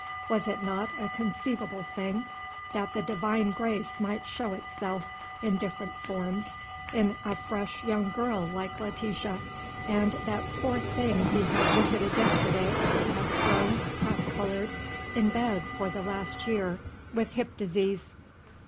Was it not a conceivable thing that the divine grace might show itself in different forms in a fresh young girl like Letitia, and in that poor thing he had visited yesterday, half grown, half colored, in bed for the last year with hip disease?